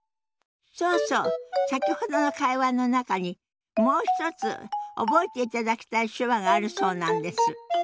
そうそう先ほどの会話の中にもう一つ覚えていただきたい手話があるそうなんです。